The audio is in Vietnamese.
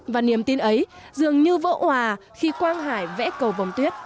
và niềm tin ấy dường như vỡ hòa khi quang hải vẽ cầu vòng tuyết